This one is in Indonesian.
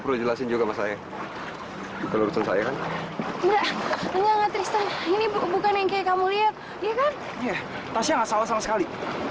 perlu jelasin juga masanya telur saya ini bukan yang kamu lihat ya kan salah sekali